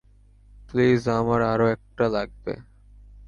Please, আমার আরও একটা লাগবে।